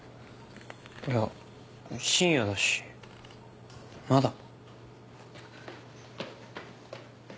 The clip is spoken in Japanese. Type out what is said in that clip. いや深夜だしまだ。